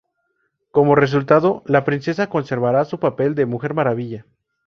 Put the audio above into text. Como resultado, la princesa conservará su papel de Mujer Maravilla.